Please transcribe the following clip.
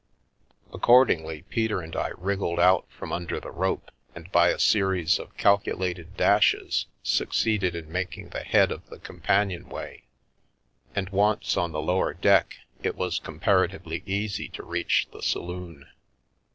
Accordingly, Peter and I wriggled out from under the rope, and by a series of calculated dashes, succeeded in making the head of the companion way, and once on the lower deck, it was comparatively easy to reach the saloon.